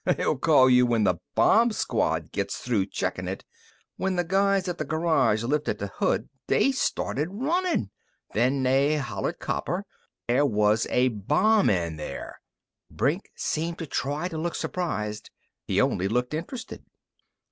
"They'll call you when the bomb squad gets through checkin' it! When the guys at the garage lifted the hood they started runnin'. Then they hollered copper. There was a bomb in there!" Brink seemed to try to look surprised. He only looked interested.